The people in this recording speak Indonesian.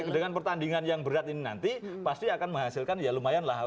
dengan pertandingan yang berat ini nanti pasti akan menghasilkan ya lumayan lah